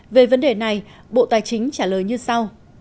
về vấn đề này bộ tài chính trả lời như sau